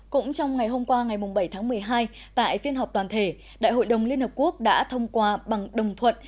cũng trong ngày hôm qua ngày bảy tháng một mươi hai tại phiên họp toàn thể đại hội đồng liên hợp quốc đã thông qua bằng đồng thuận